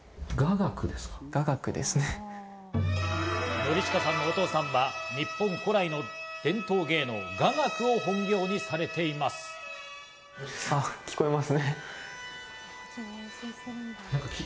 典親さんのお父さんは日本古来の伝統芸能・雅楽を本業にされています。